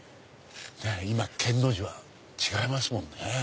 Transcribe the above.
今「険」の字は違いますもんね。